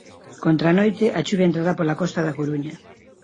Contra a noite a chuvia entrará pola costa da Coruña.